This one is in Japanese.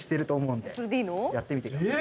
やってみてください。